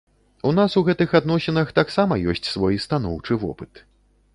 У нас у гэтых адносінах таксама ёсць свой станоўчы вопыт.